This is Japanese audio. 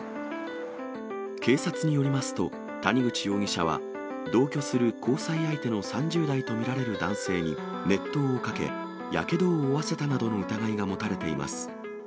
警察によりますと、谷口容疑者は、同居する交際相手の３０代と見られる男性に熱湯をかけ、やけどを負わせたなどの疑いが持たれています。